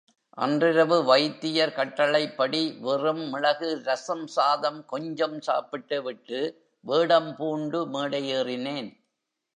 அன்றிரவு வைத்தியர் கட்டளைப்படி வெறும் மிளகு ரசம் சாதம் கொஞ்சம் சாப்பிட்டுவிட்டு, வேடம் பூண்டு மேடை ஏறினேன்.